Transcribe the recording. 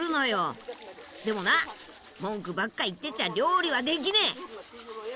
でもな文句ばっか言ってちゃ料理はできねぇ。